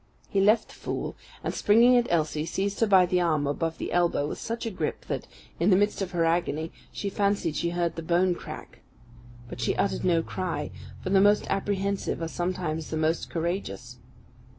He left the fool, and, springing at Elsie, seized her by the arm above the elbow with such a grip that, in the midst of her agony, she fancied she heard the bone crack. But she uttered no cry, for the most apprehensive are sometimes the most courageous.